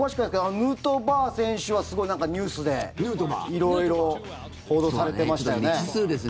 ヌートバー選手はすごいニュースで色々報道されてましたよね。